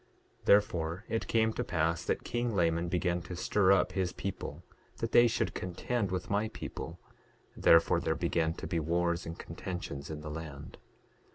9:13 Therefore it came to pass that king Laman began to stir up his people that they should contend with my people; therefore there began to be wars and contentions in the land.